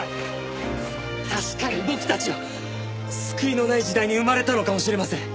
確かに僕たちは救いのない時代に生まれたのかもしれません。